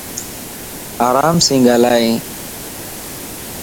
آرام سين ڳالھائين